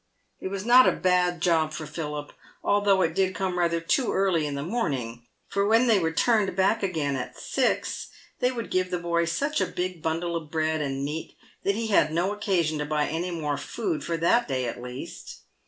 It was not a bad job for Philip, although it did come rather too early in the morning, for when they returned back again at six, they would give the boy such a big bundle of bread and meat that he had no oc casion to buy any more food for that day at least.